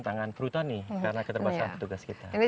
tangan perhutani karena keterbatasan petugas kita